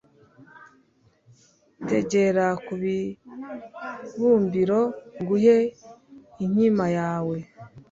tugere ku kibumbiro nguhe inkima yawe